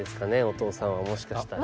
音尾さんはもしかしたら。